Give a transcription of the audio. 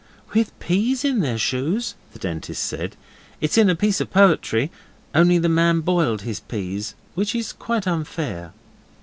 'With peas in their shoes,' the Dentist said. 'It's in a piece of poetry only the man boiled his peas which is quite unfair.